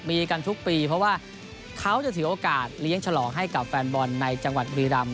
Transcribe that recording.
มีกันทุกปีเพราะว่าเขาจะถือโอกาสเลี้ยงฉลองให้กับแฟนบอลในจังหวัดบุรีรำ